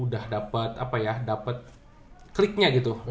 udah dapet apa ya dapet kliknya gitu